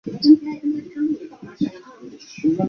由于静脉给药可致严重现已少用。